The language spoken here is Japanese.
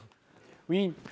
ウィーン。